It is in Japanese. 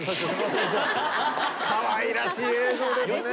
かわいらしい映像ですね。